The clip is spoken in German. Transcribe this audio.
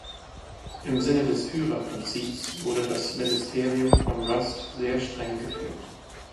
Im Sinne des Führerprinzips wurde das Ministerium von Rust sehr streng geführt.